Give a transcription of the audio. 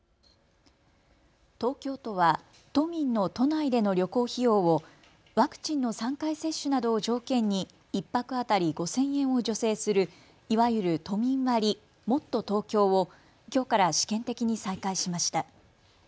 東京都は都民の都内での旅行費用をワクチンの３回接種などを条件に１泊当たり５０００円を助成する、いわゆる都民割もっとＴｏｋｙｏをきょうから試験的に再開しました。